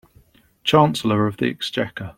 Chancellor of the Exchequer